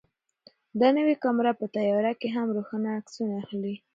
دا نوې کامره په تیاره کې هم روښانه عکسونه اخلي.